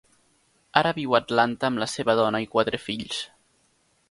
Ara viu a Atlanta amb la seva dona i quatre fills.